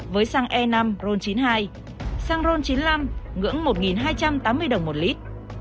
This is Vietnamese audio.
với xăng e năm ron chín mươi hai xăng ron chín mươi năm ngưỡng một hai trăm tám mươi đồng một lít